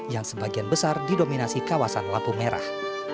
yang sebagian besar didominasi kawasan lampu merah